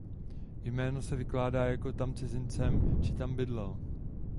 Jméno se vykládá jako "„Tam cizincem“" či "„Tam bydlel“".